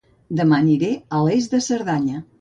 Dema aniré a Lles de Cerdanya